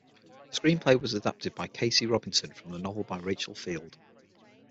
The screenplay was adapted by Casey Robinson from the novel by Rachel Field.